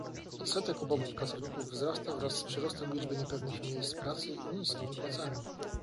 Odsetek ubogich pracowników wzrasta wraz z przyrostem liczby niepewnych miejsc pracy i niskimi płacami